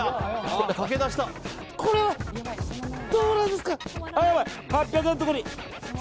これはどうなんですか。